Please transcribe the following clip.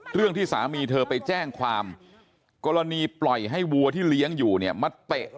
เรื่องที่สามีเธอไปแจ้งความกรณีปล่อยให้วัวที่เลี้ยงอยู่เนี่ยมาเตะ